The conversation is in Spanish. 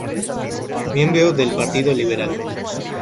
Miembro del Partido Liberal.